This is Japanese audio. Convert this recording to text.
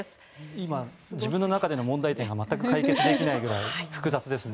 今自分の中での問題点が全く解決できないぐらい複雑ですね。